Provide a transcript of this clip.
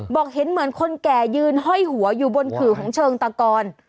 บอกเห็นเหมือนคนแก่ยืนห้อยหัวอยู่บนขื่อของเชิงตะกอน